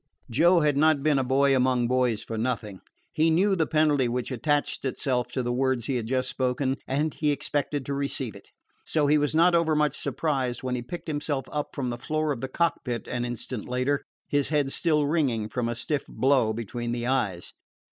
Joe had not been a boy among boys for nothing. He knew the penalty which attached itself to the words he had just spoken, and he expected to receive it. So he was not overmuch surprised when he picked himself up from the floor of the cockpit an instant later, his head still ringing from a stiff blow between the eyes.